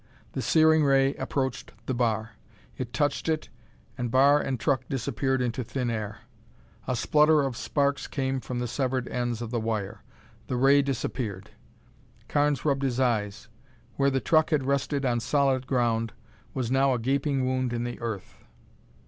The searing ray approached the bar. It touched it, and bar and truck disappeared into thin air. A splutter of sparks came from the severed ends of the wire. The ray disappeared. Carnes rubbed his eyes. Where the truck had rested on solid ground was now a gaping wound in the earth.